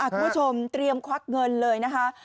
คุณผู้ชมเตรียมควักเงินเลยนะคะ